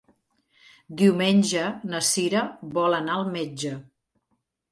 Diumenge na Sira vol anar al metge.